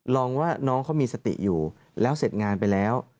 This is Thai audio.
ลองว่าน้องเขามีสติอยู่แล้วเสร็จงานไปแล้ว